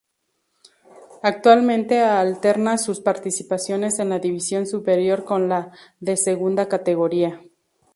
Actualmente alterna sus participaciones en la división superior con la de segunda categoría.